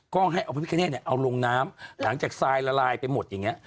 ก็ให้เอาพี่คริมเนี่ยเอาลงน้ำหลังจากละลายไปหมดอย่างเงี้ย